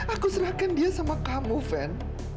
aku serahkan dia sama kamu van